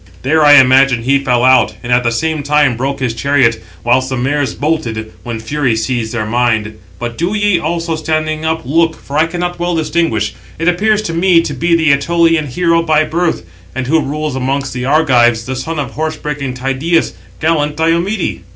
There I imagine he fell out, and at the same time broke his chariot, whilst they (the mares) bolted, when fury seized their mind. But do ye also, standing up, look, for I cannot well distinguish; it appears to me to be an Ætolian hero by birth, and [who] rules amongst the Argives, the son of horse breaking Tydeus, gallant Diomede."